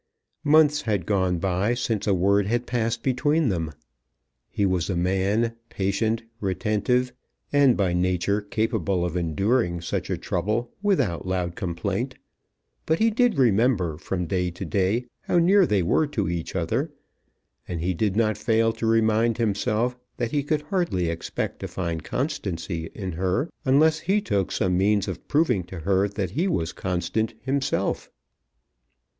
Months had gone by since a word had passed between them. He was a man, patient, retentive, and by nature capable of enduring such a trouble without loud complaint; but he did remember from day to day how near they were to each other, and he did not fail to remind himself that he could hardly expect to find constancy in her unless he took some means of proving to her that he was constant himself.